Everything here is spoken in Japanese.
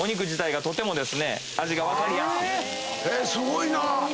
すごいなぁ。